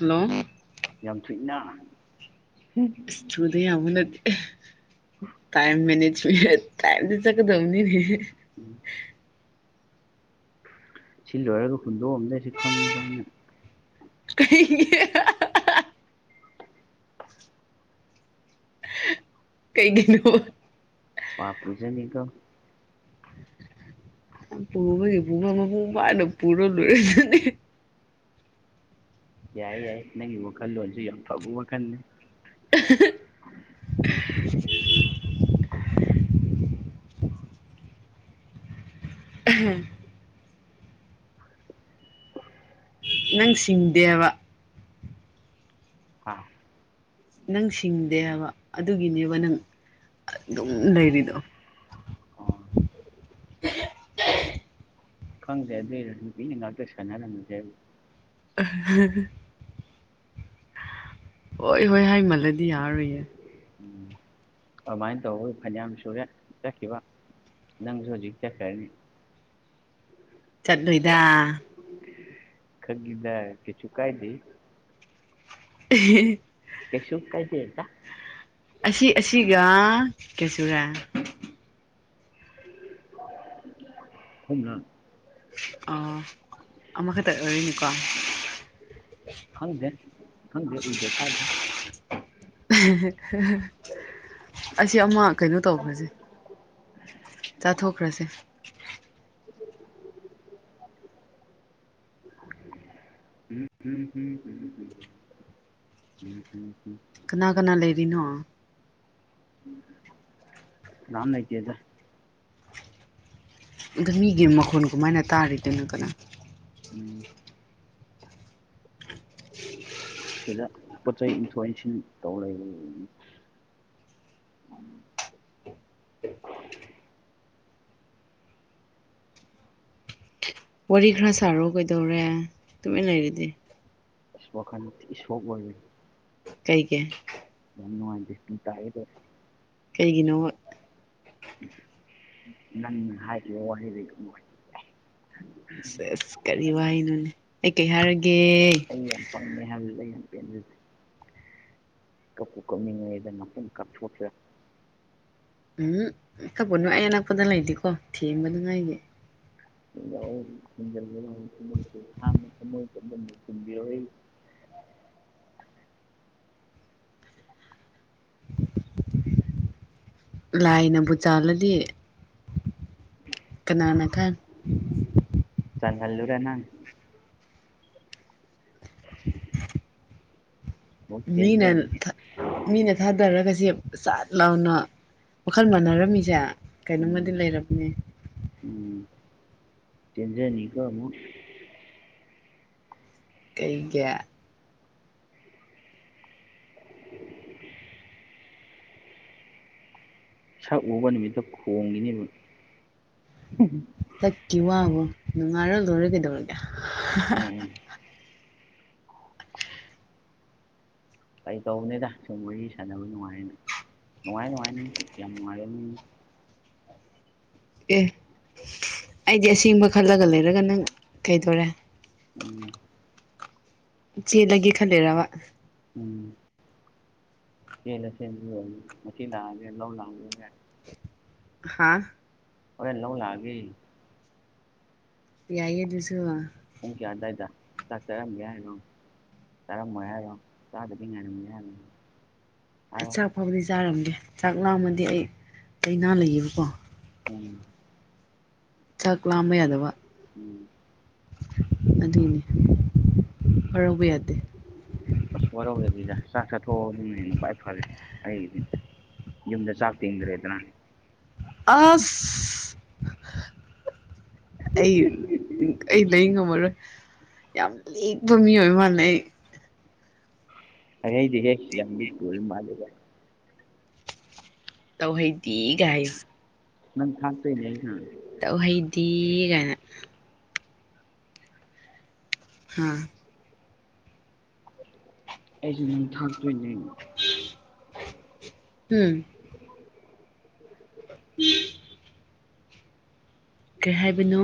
Hello ꯌꯥꯝ ꯊꯨꯏꯅ ꯎꯝ ꯊꯨꯗꯥ ꯌꯥꯕ ꯅꯠꯇ‌ꯦ ꯇꯥꯏꯝ ꯃꯦꯅꯦꯖꯃꯦ ꯇꯥꯏꯝꯗ ꯆꯠꯀꯗꯕꯅꯤꯅꯦ ꯎꯝ ꯁꯤ ꯂꯣꯏꯔꯒ ꯍꯨꯟꯗꯣꯛꯑꯝꯗꯥꯏꯁꯨ ꯈꯪꯉꯤꯗ ꯑꯩꯅ ꯀꯩ [unintelligible] ꯀꯩꯒꯤꯅꫭ ꯥꯄꯥꯞ ꯄꯨꯖꯅꯤꯀꫭ ꯌꯥꯝ ꯄꯨ [unintelligible] ꯑꯃꯒꯤꯄꯨꯡꯕ ꯃꯄꯨꯡ ꯐꯥꯅ ꯄꯨꯔ ꯂꯣꯏꯔꯁꯨꯅꯤ ꯌꯥꯏ ꯌꯥꯏ ꯅꯪꯒꯤ ꯋꯥꯈꯜꯂꯣꯟꯁꯨ ꯌꯥꯝ ꯐꯕ ꯋꯥꯈꯜꯅꯤ [inaudible] ꯅꯪ ꯁꯤꯡꯗꯦꯕ ꯍꯥꯥ ꯅꯪ ꯁꯤꯡꯗꯦ ꯍꯥꯏꯕ ꯑꯗꯨꯒꯤꯅꯦꯕ ꯅꯪ ꯑꯗꯨꯝ ꯂꯩꯔꯤꯗꯣ ꯑꯣ ꯈꯪꯗ‌ꯦ ꯂꯩꯔꯄꯤ [unintelligible] ꯅꯉꯥ ꯆꯁꯥꯟꯅ ꯅꯨꯖꯦ ꯑ [unintelligible] ꯍꯣꯏ ꯍꯣꯏ ꯍꯥꯏꯃꯜꯂꯗꯤ ꯌꯥꯔꯔꫭꯏꯌꯦ ꯑꯗꯨꯃꯥꯏꯅ ꯇꯧꯕ ꯐꯅꯌꯥꯝ ꯁꯨꯔꯦ ꯆꯠꯈꯤꯕ ꯅꯪꯁꯨ ꯍꯧꯖꯤꯛ ꯆꯠꯈ꯭ꯔꯅꯤ ꯆꯠꯂꫭꯏꯗ ꯈꯪꯉꯤꯗꯥ ꯀꯩꯁꯨ ꯀꯥꯏꯗ‌ꯦ ꯍ [unintelligible] ꯀꯩꯁꯨ ꯀꯥꯏꯗ‌ꯦꯗ ꯑꯁꯤ ꯑꯁꯤꯒ ꯀꯩꯌꯥ ꯁꯨꯔ‌ꯦ ꯑꯍꯨꯝꯂꯛ ꯑꯣ ꯑꯃꯈꯛꯇ ꯑꯣꯏꯔꯤꯅꯤꯀꯣ ꯈꯪꯗꯦ ꯈꯪꯗꯦ ꯎꯗꯦ ꯇꯥꯗꯦ ꯑꯁꯤ ꯑꯃ ꯀꯩꯅꯣ ꯇꯧꯕꯁꯦ ꯆꯥꯊꯣꯛꯈ꯭ꯔꯁꯦ [inaudible] ꯍꯝ ꯍꯨꯝ ꯍ ꯎꯝ ꯎꯝ ꯎꯝ ꯀꯅꯥ ꯀꯅꯥ ꯂꯩꯔꯤꯅꯣ ꯀꯅꯥꯝ ꯂꯩꯇꯦꯗꯥ ꯑꯗꯨ ꯃꯤꯒꯤ ꯃꯈꯣꯟ ꯀꯃꯥꯏꯅ ꯇꯥꯔꯤꯗꯣꯏꯅꯣ ꯀꯅꯥ ꯎꯝ ꯁꯤꯗ ꯄꯣꯠ ꯆꯩ ꯏꯟꯊ ꯏꯟꯁꯤꯟ ꯇꯧ ꯂꯩꯕ ꯋꯥꯔꯤ ꯈꯔ ꯁꯥꯔꯣ ꯀꯩꯗꯧꯔꯦ ꯇꯨꯃꯤꯟ ꯂꯩꯔꯗꯤ ꯏꯁ ꯋꯥꯈꯥꯜ ꯊꯤ ꯁꯣꯛ ꯑꯣꯢꯕꯤꯅꯤ ꯀꯩꯒꯤ ꯌꯥꯝ ꯅꯨꯡꯉꯥꯢꯇꯦ ꯄꯤ ꯇꯥꯒꯦ ꯇꯧꯋꯤ ꯀꯩꯒꯤꯅꯣꯕ ꯅꯪ ꯍꯥꯏꯈꯤꯕ ꯋꯥꯍꯩꯗꯨꯅ ꯁꯦꯁ ꯀꯔꯤ ꯋꯥꯍꯩꯅꯣꯅꯦ ꯑꯩ ꯀꯩ ꯍꯥꯏꯔꯒꯦ ꯅ꯫ ꯌꯥꯝ ꯄꯪꯉꯦ ꯍꯥꯏꯕꯗꯨ ꯑꯩ ꯌꯥꯝ ꯄꯦꯟꯖꯗꯦ ꯀꯄꯨ ꯀꯞꯅꯤꯡꯉꯦꯗ ꯉꯥꯛꯇꯪ ꯀꯥꯞꯊꯣꯛꯁꯤꯔ ꯎꯝ ꯀꯥꯞꯒꯅꯣ ꯑꯩ ꯑꯅꯛꯄꯗ ꯂꯩꯗꯦꯀꯣ ꯊꯦꯡꯕꯅꯤꯡꯉꯥꯢꯒꯤ ꯌꯥꯎ [unintelligible] ꯊ [unintelligible] [inaudible] ꯂꯥꯏꯅꯕꯨ ꯆꯥꯜꯂꯗꯤ ꯀꯅꯅꯥ ꯈꯪ ꯆꯥꯟꯍꯥꯜꯂꯨꯔ ꯅꯪ [inaudible] ꯑꯃꯨꯛ ꯃꯤꯅ ꯄꯦꯟꯖꯅꯤ ꯃꯤꯅ ꯊꯥꯗꯔꯒꯁ ꯁꯥꯠ ꯂꯥꯎꯅ ꯋꯥꯈꯜ ꯃꯥꯟꯅꯔꯝꯃꯤꯁꯦ ꯀꯩꯅꯣꯝꯃꯗꯤ ꯎꯝ ꯂꯩꯔꯕꯅꯦ ꯎꯝ ꯆꯦꯟꯖꯅꯤ ꯀꯣ ꯑꯃꯨꯛ ꯀꯩꯒꯤ ꯁꯛ ꯎꯨꯕ ꯅꯨꯃꯤꯠꯇ ꯈꯣꯡꯉꯤꯅꯦꯕ ꯁꯥꯛꯒꯤ ꯋꯥꯕꯨ ꯅꯨꯡꯉꯥꯢꯔ ꯂꯣꯢꯔꯦ ꯀꯩꯗꯧꯔꯒꯦ ꯎꯝ ꯎꯝ ꯐꯒꯤ ꯇꯧꯕꯅꯤꯗ ꯁꯨꯝ ꯋꯥꯔꯤ ꯁꯥꯟꯅꯕ ꯅꯨꯡꯉꯥꯏꯅꯕꯅ ꯅꯨꯡꯉꯥꯏ ꯅꯨꯡꯉꯥꯏꯅ ꯌꯥꯝ ꯅꯨꯡꯉꯥꯏꯔꯅꯤ ꯑꯦ ꯑꯩꯗꯤ ꯑꯁꯦꯡꯕ ꯈꯜꯂꯒ ꯂꯩꯔꯒ ꯅꯪ ꯀꯩꯗꯧꯔꯦ ꯎꯝ ꯆꯦꯜꯂꯒꯦ ꯈꯟꯂꯤꯔꯕ ꯆꯦꯜꯂꯣꯢ ꯆꯦꯟꯕꯤꯔꯣꯢꯅꯦ ꯉꯁꯤ ꯂꯥꯛꯑꯒ ꯂꯧ ꯂꯥꯛꯑꯒꯦ ꯍꯥꯥ ꯍꯣꯔꯦꯟ ꯂꯧ ꯂꯥꯛꯑꯒꯦ ꯌꯥꯏꯌꯦ ꯑꯗꯨꯁꯨ ꯄꯨꯡ ꯀꯌꯥ ꯑꯗꯨꯋꯥꯏꯗ ꯂꯥꯛ ꯆꯔꯝꯒꯦ ꯍꯥꯏꯅꯣ ꯆꯥꯔꯝꯃꯣ ꯍꯥꯢꯅꯣ ꯆꯥꯕꯗꯤ ꯍꯥꯢꯔꯝꯒꯦ ꯍꯥꯢꯅꯣ ꯑꯁ ꯆꯥꯛ ꯐꯥꯎꯕꯗꯤ ꯆꯥꯔꯝꯒꯦ ꯆꯥꯛ ꯂꯥꯝꯃꯗꯤ ꯑꯩ ꯂꯥꯏꯅꯥ ꯂꯩꯌꯦꯕꯀꯣ ꯎꯝ ꯆꯥꯛ ꯂꯥꯝꯕ ꯌꯥꯗꯕ ꯎꯝ ꯑꯗꯨꯢꯅꯤ ꯋꯥꯔꯧꯕ ꯌꯥꯗꯦ ꯑꯁ ꯋꯥꯔꯧꯗꯦꯗ ꯆꯥꯛ ꯆꯥꯊꯣꯛꯑꯣ ꯑꯗꯨꯅ ꯈ꯭ꯋꯥꯏ ꯐꯔꯦ ꯑꯩꯒꯤꯗꯤ ꯌꯨꯝꯗ ꯆꯥꯛ ꯇꯤꯡꯗ꯭ꯔꯦꯗꯅ ꯑꯁ ꯑꯩ ꯑꯩ ꯂꯩ ꯉꯝꯃꯔꯣꯏ ꯌꯥꯝ ꯂꯦꯛꯄ ꯃꯤꯑꯣꯏ ꯃꯥꯥꯟꯂꯦ ꯍꯥꯢꯍꯩꯗꯦꯍꯦ ꯌꯥꯝ ꯂꯤꯛꯄ ꯑꯣꯢꯔ ꯃꯥꯂꯦꯒꯥꯢꯅ ꯇꯧꯍꯩꯗ‌ꯦꯒꯥꯏꯌ‌ꯦ ꯅꯪ ꯊꯥꯛꯇꯣꯏꯅꯦ ꯑꯩꯅꯥ ꯇꯧꯍꯩꯗꯤ ꯀꯥꯏꯅ ꯍꯥꯥ ꯑꯩꯁꯨ ꯅꯪ ꯊꯥꯛꯇꯣꯏꯅꯦ ꯎꯝ ꯎ [unintelligible] ꯀꯩ ꯍꯥꯏꯕꯅꯣ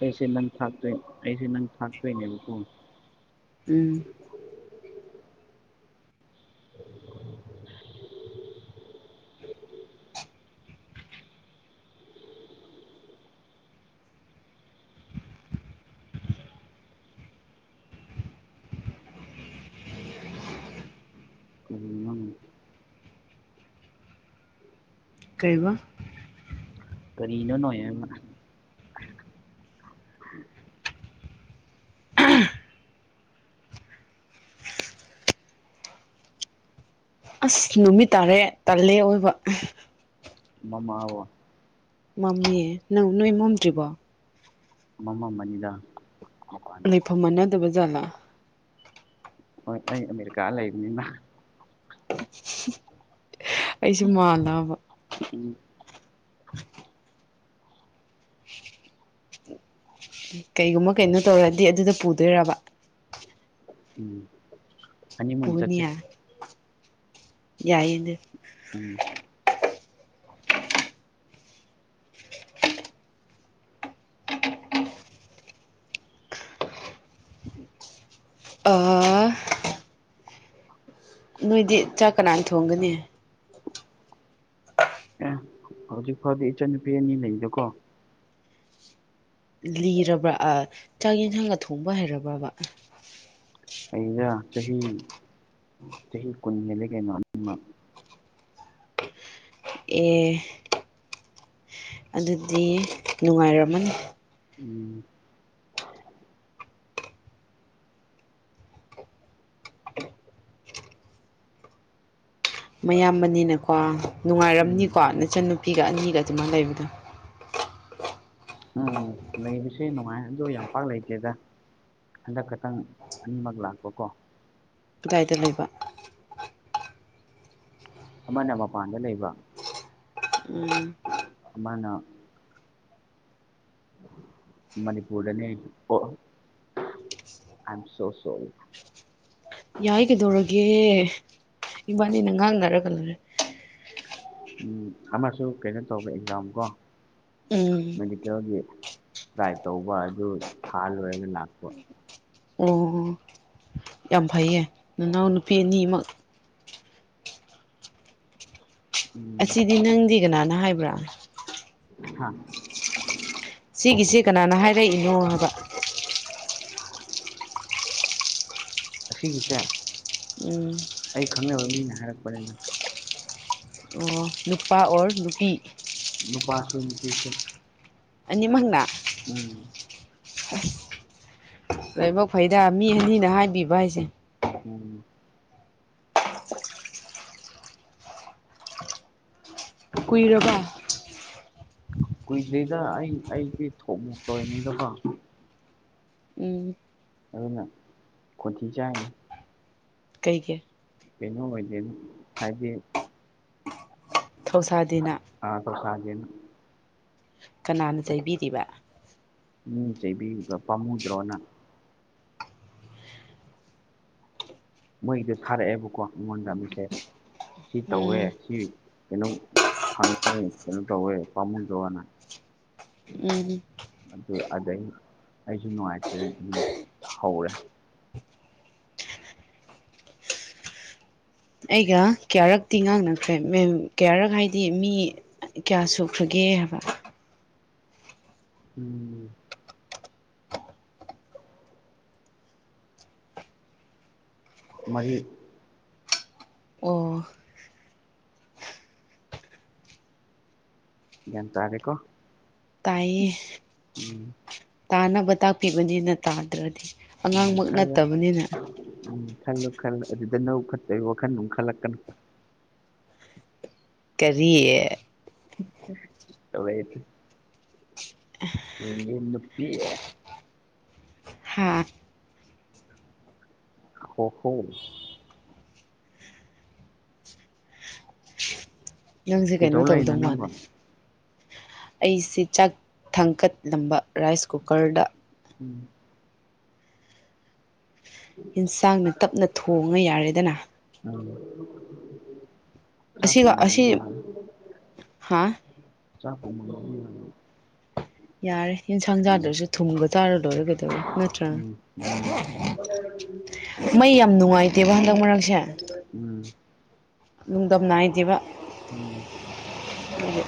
ꯑꯩꯁꯦ ꯅꯪ ꯊꯥꯛꯇꯣꯏ ꯑꯩꯁꯦ ꯅꯪ ꯊꯥꯛꯇꯣꯏꯅꯦꯕꯀꯣ ꯎꯝ ꯀꯔꯤꯅꯣ ꯀꯩꯕ ꯀꯔꯤꯅꫭ ꯅꫭꯏꯅ ꯑꯁ ꯅꯨꯃꯤꯠ ꯇꯥꯔꯦ ꯇꯜꯂꯦ ꯑꯑꫭꯏꯕ ꯃꯃꯥ ꯃꯝꯌꯦ ꯅꯪ ꯅꯣꯏ ꯃꯝꯗ꯭ꯔꯤꯕꯣ ꯃꯝꯃꯝꯃꯥꯅꯤꯗ ꯂꯩꯐꯝ ꯃꯥꯟꯅꯗꯕ ꯖꯥꯠꯂꯥ ꯍꯣꯏ ꯑꯩ ꯑꯃꯔꯤꯀꯥ ꯂꯩꯕꯅꯤꯅ ꯑꯩꯁꯨ ꯃꯥꯜꯂꯑꯕ ꯎꯝ ꯀꯩꯒꯨꯝꯕ ꯀꯩꯅꯣ ꯇꯧꯔꯗꯤ ꯑꯗꯨꯗ ꯄꯨꯗꯣꯏꯔꯕ ꯎꯝ ꯍꯅꯤꯃꯨꯟ ꯆꯠꯁꯦ ꯄꯨꯅꯤꯌꯥ ꯌꯥꯏꯗꯤ ꯎꯝ ꯑꯥ [unintelligible] ꯅꯣꯏꯗꯤ ꯆꯥꯛ ꯀꯅꯥꯅ ꯊꯣꯡꯒꯅꯤ ꯑꯦ ꯍꯧꯖꯤꯛ ꯐꯥꯎꯗꯤ ꯏꯆꯟꯅꯨꯄꯤ ꯑꯅꯤ ꯂꯩꯗꯀꯣ ꯂꯤꯔꯕ꯭ꯔꯥ ꯑꯥ ꯆꯥꯛ ꯌꯦꯟꯁꯥꯡꯒ ꯊꯣꯡꯕ ꯍꯩꯔꯕ꯭ꯔꯥꯕ ꯍꯩꯅ ꯆꯍꯤ ꯆꯍꯤ ꯀꯨꯟ ꯍꯦꯜꯂꯦ ꯀꯩꯅꯣ ꯑꯅꯤꯃꯛ ꯑꯦ ꯑꯗꯨꯗꯤ ꯅꯨꯡꯉꯥꯏꯔꯝꯃꯅꯤ ꯎꯝ ꯃꯌꯥꯝꯕꯅꯤꯅꯀꯣ ꯎꯝ ꯅꯨꯡꯉꯥꯏꯔꯝꯅꯤꯀꯣ ꯅꯆꯟꯅꯨꯄꯤꯒ ꯑꯅꯤꯒ ꯑꯗꯨꯃꯥꯏ ꯂꯩꯕꯗꯣ ꯎꯝ ꯂꯩꯕꯁꯦ ꯅꯨꯡꯉꯥꯏ ꯑꯗꯨꯗ ꯌꯥꯝ ꯄꯥꯛ ꯂꯩꯇꯦꯗ ꯍꯟꯗꯛ ꯈꯇꯪ ꯑꯅꯤꯃꯛ ꯂꯥꯛꯄꯀꯣ ꯀꯗꯥꯏꯗ ꯂꯩꯕ ꯑꯃꯅ ꯃꯄꯥꯟꯗ ꯂꯩꯕ ꯎꯝ ꯑꯃꯥꯅ ꯃꯅꯤꯄꯨꯔꯗꯅꯦ ꯑꯥꯏ ꯑꯦꯝ ꯁꯣ ꯁꯣꯔꯤ ꯌꯥꯏ ꯀꯩꯗꯧꯔꯒꯦ ꯏꯕꯥꯅꯤꯅ ꯉꯥꯡꯅꯔꯒ ꯂꯣꯏꯔꯦ ꯎꯝ ꯑꯃꯁꯨ ꯀꯩꯅꯣ ꯇꯧꯕ ꯑꯦꯛꯖꯥꯝ ꯀꯣ ꯎꯝ ꯃꯦꯗꯤꯀꯦꯜꯒꯤ ꯇ꯭ꯔꯥꯏ ꯇꯧꯕ ꯑꯗꯨ ꯊꯥ ꯂꯣꯏꯔꯒ ꯂꯥꯛꯄ ꯑꯣ ꯌꯥꯝ ꯐꯩꯌꯦ ꯅꯅꯥꯎ ꯅꯨꯄꯤ ꯑꯅꯤꯃꯛ ꯎꯝ ꯑꯁꯤꯗꯤ ꯅꯪꯗꯤ ꯀꯅꯥꯅ ꯍꯥꯏꯕ꯭ꯔꯥ ꯍꯥꯥ ꯁꯤꯒꯤꯁꯤ ꯀꯅꯥꯅ ꯍꯥꯏꯔꯛꯏꯅꯣ ꯍꯥꯏꯕ [unintelligible] ꯑꯁꯤꯒꯤꯁꯦ ꯎꯝ ꯑꯩ ꯈꯪꯅꯕ ꯃꯤꯅ ꯍꯥꯏꯔꯛꯄꯅꯤꯗ ꯑꯣ ꯅꯨꯄꯥ ꯑꯣꯔ ꯅꯨꯄꯤ ꯅꯨꯄꯥꯁꯨ ꯅꯨꯄꯤꯁꯨ ꯑꯅꯤꯃꯛꯅ ꯎꯝ ꯑꯁ ꯂꯥꯏꯕꯛ ꯐꯩꯗ ꯃꯤ ꯑꯅꯤꯅ ꯍꯥꯏꯕꯤꯕ ꯍꯥꯏꯁꯦ ꯎꯝ ꯀꯨꯏꯔꯕꯥ ꯀꯨꯏꯗ꯭ꯔꯤꯗ ꯑꯩ ꯑꯩꯗꯤ ꯊꯣꯛ ꯃꯣꯛ ꯇꯧꯔꯤꯉꯩꯗꯀꯣ ꯎꯝ ꯑꯗꯨꯅ ꯈꯣꯟꯊꯤ ꯆꯥꯏꯅꯤ ꯀꯩꯒꯤ ꯀꯩꯅꯣ ꯑꯣꯏꯗ꯭ꯔꯦꯅ ꯍꯥꯏꯗꯤ ꯊꯧꯁꯥꯗꯦꯅ ꯑꯥ ꯊꯧꯁꯗꯦꯅ ꯀꯅꯥꯅ ꯆꯩꯕꯤꯔꯤꯕ ꯃꯤꯅꯥ ꯆꯩꯕꯤꯔꯤꯕ ꯄꯥꯝꯃꯨꯗ꯭ꯔꯣꯅ ꯃꯣꯏꯒꯤꯗꯣ ꯊꯥꯔꯛꯑꯦꯕꯀꯣ ꯑꯩꯉꯣꯟꯗ ꯃꯦꯁꯦꯁ ꯁꯤ ꯇꯧꯋꯦ ꯎꯝ ꯁꯤ ꯀꯩꯅꯣ ꯐꯪꯉꯦ ꯀꯩꯅꯣ ꯇꯧꯋꯦ ꯄꯥꯃꯨꯗ꯭ꯔꯣꯅꯥ ꯎꯝ ꯑꯗꯨ ꯑꯗꯩ ꯑꯩꯁꯨ ꯅꯨꯡꯉꯥꯏꯇꯦꯅ ꯑꯗꯨꯝ ꯍꯧꯔꯦ ꯑꯩꯒ ꯀꯌꯥꯔꯛꯇꯤ ꯉꯥꯡꯅꯈ꯭ꯔꯦ ꯃꯦꯟ ꯀꯌꯥꯔꯛ ꯍꯥꯏꯗꯤ ꯃꯤ ꯀꯌꯥ ꯁꯨꯈ꯭ꯔꯒꯦ ꯍꯥꯏꯕ ꯎꯝ ꯃꯔꯤ ꯑꯣ ꯒ꯭ꯌꯥꯟ ꯇꯥꯔꯦꯀꯣ ꯇꯥꯏꯌꯦ ꯎꯝ ꯇꯥꯅꯕ ꯇꯥꯛꯄꯤꯕꯅꯤꯅ ꯇꯥꯗ꯭ꯔꯗꯤ ꯎꯝ ꯑꯉꯥꯡꯃꯛ ꯈꯜꯂꯦ ꯅꯠꯇꯕꯅꯤꯅ ꯎꯝ ꯈꯜꯂꯨ ꯈꯜꯂꯨ ꯑꯗꯨꯗ ꯅꯕꯨꯛ ꯐꯠꯇꯕꯒꯤ ꯋꯥꯈꯟ ꯈꯜꯂꯛꯀꯅꯨ ꯀꯔꯤ ꯇꯧꯔꯛꯑꯦꯇꯨ [unintelligible] [inaudible] [unintelligible] ꯅꯨꯄꯤ ꯍꯥꯥ ꯍꯣ ꯍꯣ ꯅꯪꯁꯦ ꯀꯩꯅꯣ ꯀꯩꯗꯧ ꯂꯩꯅꯣ ꯇꯧꯗꯧ ꯅꯪꯕꯣ ꯃꯥꯜꯂꯦ ꯑꯩꯁꯤ ꯆꯥꯛ ꯊꯥꯡꯀꯠꯂꯝꯕ ꯔꯥꯏꯁ ꯀꯨꯀꯔꯗ ꯎꯝ ꯏꯟꯁꯥꯡꯅ ꯇꯞꯅ ꯊꯣꯡꯉ ꯌꯥꯔꯦꯗꯅ ꯎꯝ ꯆꯥꯛꯄꯨ ꯑꯁꯤꯒ ꯑꯁꯤ ꯃꯨꯜꯂꯗꯤ ꯌꯥꯔꯦ ꯍꯥ ꯆꯥꯛꯄꯨ [unintelligible] ꯌꯥꯔꯦ ꯌꯦꯟꯁꯥꯡ ꯆꯥꯗ꯭ꯔꯁꯨ ꯊꯨꯝꯒ ꯆꯥꯔ ꯂꯣꯏꯔꯦ ꯀꯩꯗꯧꯔꯦ ꯅꯠꯇ꯭ꯔꯥ ꯎꯝ ꯎꯝ ꯃꯩ ꯌꯥꯝ ꯅꯨꯡꯉꯥꯏꯇꯦꯕ ꯍꯟꯗꯛ ꯃꯔꯛꯁꯦ ꯎꯝ ꯅꯨꯡꯗꯝ ꯅꯥꯏꯗꯦꯕ ꯎꯝ ꯑꯗꯨꯒꯤ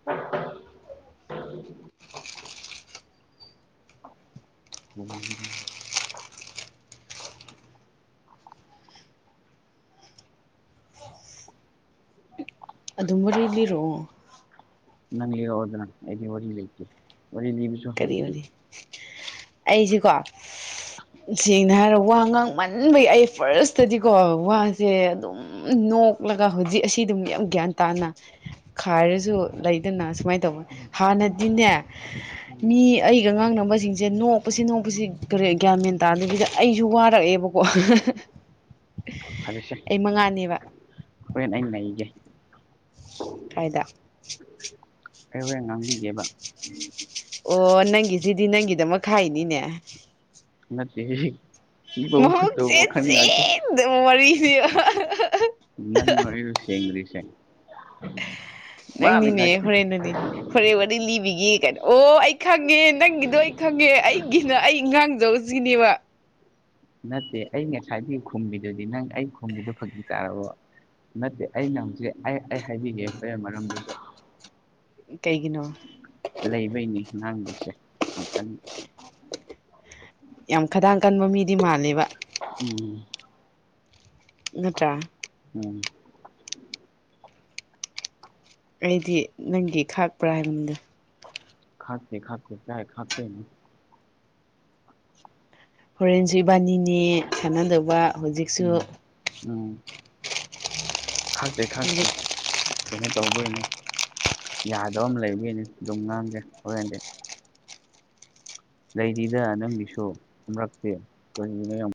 [unintelligible] ꯎꯝ ꯑꯗꯨꯝ ꯋꯥꯔꯤ ꯂꯤꯔꯛꯑꯣ ꯅꯪ ꯂꯤꯔꯛꯑꯣꯗꯅ ꯑꯩꯗꯤ ꯋꯥꯔꯤ ꯂꯩꯇꯦ ꯋꯥꯔꯤ ꯂꯤꯕ ꯀꯔꯤ ꯋꯥꯔꯤ ꯑꯩꯖꯤꯀꯣ ꯁꯦꯡꯅ ꯍꯥꯏꯔ ꯋꯥ ꯉꯥꯡꯃꯟꯕꯒꯤ ꯑꯩ ꯐꯥꯔꯁꯇꯗꯤꯀꯣ ꯋꯥꯁꯦ ꯑꯗꯨꯝ ꯎꯝ ꯅꯣꯛꯂꯒ ꯍꯧꯖꯤꯛ ꯑꯁꯤ ꯗꯨꯝ ꯌꯥꯝ ꯒ꯭ꯌꯥꯟ ꯇꯥꯅ ꯈꯥꯏꯔꯁꯨ ꯂꯩꯗꯅ ꯁꯨꯃꯥꯏꯅ ꯇꯧꯕꯅꯦ ꯍꯥꯟꯅꯗꯤꯅꯦ ꯃꯤ ꯑꯩꯒ ꯉꯥꯡꯅꯕꯁꯤꯡꯁꯦ ꯅꯣꯛꯄꯁꯤ ꯅꯣꯛꯄꯁꯤ ꯀꯔꯤ ꯒ꯭ꯌꯥꯟ ꯃꯦꯟ ꯇꯥꯗꯕꯤꯗ ꯑꯩꯁꯨ ꯋꯥꯔꯛꯑꯦꯕ [unintelligible] ꯐꯔꯦꯁꯦ ꯍꯣꯔꯦꯟ ꯑꯩ ꯅꯩꯒꯦ ꯀꯥꯏꯗ ꯑꯩ ꯍꯣꯔꯦꯟ ꯉꯥꯡꯕꯤꯒꯦꯕ ꯑꯣ ꯅꯪꯒꯤꯁꯤꯗꯤ ꯅꯪꯒꯤꯗꯃꯛ ꯈꯥꯛꯏꯅꯤꯅꯦ ꯅꯠꯇꯦꯍꯦ ꯁꯤꯕꯕꯨ ꯈꯨꯠꯇꯕꯨ ꯋꯥꯈꯟꯒꯥꯗꯤ ꯗꯨꯝ ꯋꯥꯔꯤꯗꯤ ꯅꯪꯂꯣ ꯑꯩꯔꯣ ꯁꯦꯡꯗ꯭ꯔꯤꯁꯦ [unintelligible] ꯗꯤ ꯂꯤꯕꯤꯒꯦ ꯀꯥꯏꯅ ꯑꯣ ꯑꯩ ꯈꯪꯉꯦ ꯅꯪꯒꯤꯗꯣ ꯑꯩ ꯈꯪꯉꯦ ꯑꯩꯒꯤꯅ ꯑꯩ ꯉꯥꯡꯖꯁꯤꯅꯦꯕ ꯅꯠꯇꯦ ꯑꯩ ꯉꯁꯥꯏꯗꯩ ꯈꯨꯝꯃꯤꯗꯨꯗꯤ ꯅꯪ ꯑꯩ ꯈꯨꯝꯃꯤꯗꯨ ꯐꯥꯒꯤ ꯇꯥꯔꯕꯣꯕ ꯅꯠꯇꯦ ꯑꯩꯅ ꯍꯧꯖꯤꯛ ꯑꯩ ꯑꯩ ꯍꯥꯏꯕꯤꯒꯦ ꯍꯣꯔꯦꯟ ꯃꯔꯝꯗꯨꯁꯨ ꯀꯩꯒꯤꯅꯣ ꯂꯩꯕꯩꯅꯦ ꯉꯥꯡꯂꯤꯁꯦ ꯅꯥꯀꯟ ꯌꯥꯝ ꯈꯗꯥꯡ ꯀꯟꯕ ꯃꯤꯗꯤ ꯃꯥꯜꯂꯦꯕ ꯎꯝ ꯅꯠꯇ꯭ꯔꯥ ꯎꯝ ꯑꯩꯗꯤ ꯅꯪꯒꯤ ꯈꯥꯛꯄ꯭ꯔꯥ ꯍꯥꯏꯕꯅꯤꯗ ꯈꯥꯛꯇꯦ ꯈꯥꯛꯇꯦ ꯀꯔꯥꯏ ꯈꯥꯛꯇꯣꯏꯅꯣ ꯍꯣꯔꯦꯟꯁꯨ ꯏꯕꯥꯅꯤꯅꯦ ꯁꯥꯟꯅꯗꯧꯕ ꯍꯧꯖꯤꯛꯁꯨ ꯎꯝ ꯎꯝ ꯈꯥꯛꯇꯦ ꯍꯧꯖꯤꯛ ꯈꯥꯛꯇꯦ ꯀꯩꯅꯣ ꯇꯧꯕꯩꯅꯦ ꯌꯥꯗꯕ ꯑꯃ ꯂꯩꯕꯩꯅꯤ ꯑꯗꯨꯝ ꯉꯥꯡꯒꯦ ꯍꯣꯔꯦꯟꯗꯤ ꯂꯩꯔꯤꯗ ꯅꯪꯒꯤꯁꯨ ꯑꯃꯔꯛꯇꯤ ꯀꯔꯤꯒꯤꯅꯣ ꯌꯥꯝ